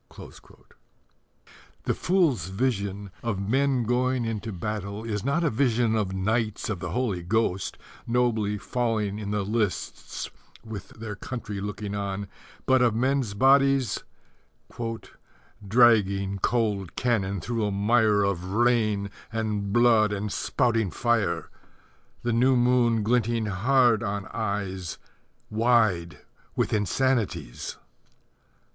The fool's vision of men going into battle is not a vision of knights of the Holy Ghost nobly falling in the lists with their country looking on, but of men's bodies Dragging cold cannon through a mire Of rain and blood and spouting fire, The new moon glinting hard on eyes Wide with insanities!